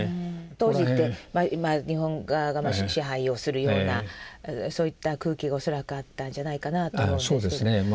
当時って日本側が支配をするようなそういった空気が恐らくあったんじゃないかなぁと思うんですけど。